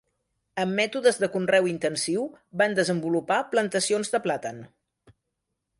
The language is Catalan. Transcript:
Amb mètodes de conreu intensiu, van desenvolupar plantacions de plàtan.